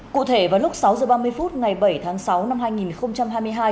cụ thể vào lúc sáu h ba mươi phút ngày bảy tháng sáu năm hai nghìn hai mươi hai